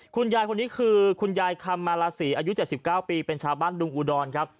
คุณยายคนนี้คือคุณยายคำมาลาศรีอายุ๗๙ปีเป็นชาวบ้านดุงอุดรครับ